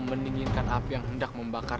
mendinginkan api yang hendak membakar